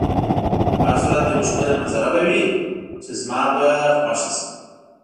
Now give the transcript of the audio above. په هر صورت یوه ښکلې منظره به وي چې زما به یې خوښه شي.